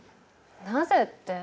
なぜって。